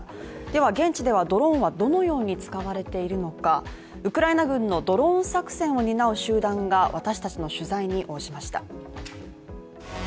では現地ではドローンはどのように使われているのか、ウクライナ軍のドローン作戦を担う集団が私達の取材に応じました。